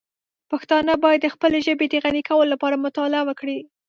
پښتانه باید د خپلې ژبې د غني کولو لپاره مطالعه وکړي.